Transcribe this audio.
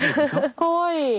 かわいい！